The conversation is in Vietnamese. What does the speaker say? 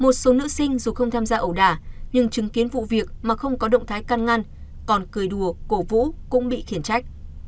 một số nữ sinh dù không tham gia ẩu đả nhưng chứng kiến vụ việc mà không có động thái căn ngăn còn cười đùa cổ vũ cũng bị khiển trách